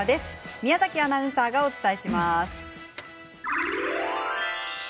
宮崎アナウンサーがお伝えします。